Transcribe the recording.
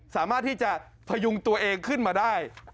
สามารถที่จะพยุงตัวเองขึ้นมาได้